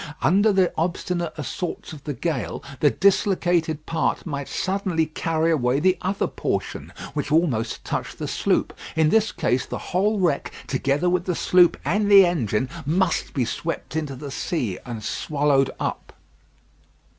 Under the obstinate assaults of the gale, the dislocated part might suddenly carry away the other portion, which almost touched the sloop. In this case, the whole wreck, together with the sloop and the engine, must be swept into the sea and swallowed up.